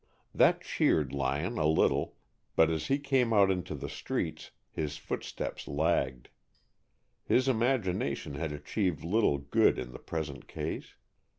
That cheered Lyon a little, but as he came out into the streets his footsteps lagged. His imagination had achieved little good in the present case.